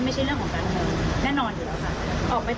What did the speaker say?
ไม่ใช่เรื่องของการเมืองแน่นอนอยู่แล้วค่ะ